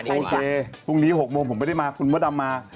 โอเคพรุ่งนี้๖โมงผมไม่ได้มาคุณมดดำมา